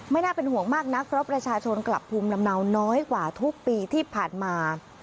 น่าเป็นห่วงมากนักเพราะประชาชนกลับภูมิลำเนาน้อยกว่าทุกปีที่ผ่านมา